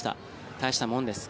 大したもんです。